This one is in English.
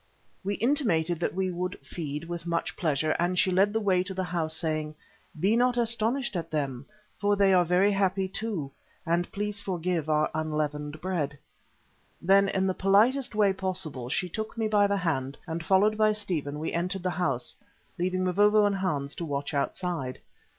We intimated that we would "feed" with much pleasure, and she led the way to the house, saying: "Be not astonished at them, for they are very happy too, and please forgive our unleavened bread." Then in the politest way possible she took me by the hand, and followed by Stephen, we entered the house, leaving Mavovo and Hans to watch outside.